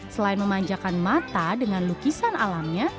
selain memanjakan mata dengan lukisan alamnya